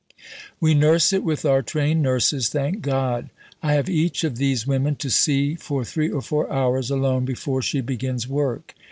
We nurse it with our trained nurses, thank God! I have each of these women to see for three or four hours alone before she begins work."